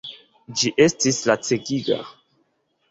Ĝi estis lacegiga!